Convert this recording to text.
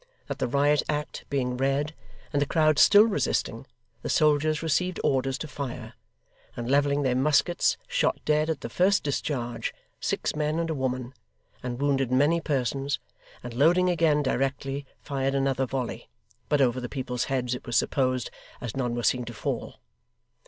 That the Riot Act being read, and the crowd still resisting, the soldiers received orders to fire, and levelling their muskets shot dead at the first discharge six men and a woman, and wounded many persons; and loading again directly, fired another volley, but over the people's heads it was supposed, as none were seen to fall.